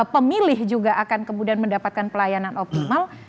pemilih juga akan kemudian mendapatkan pelayanan optimal